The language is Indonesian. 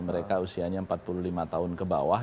mereka usianya empat puluh lima tahun ke bawah